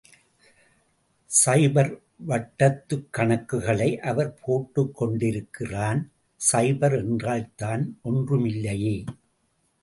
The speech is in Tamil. சைபர் வட்டத்துக் கணக்குகளை அவர் போட்டுக் கொண்டிருக்கிறான். சைபர் என்றால்தான் ஒன்றுமில்லையே.